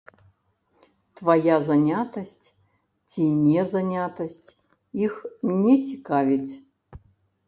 Твая занятасць ці не занятасць іх не цікавіць.